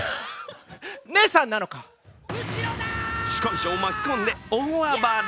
司会者を巻き込んで大暴れ。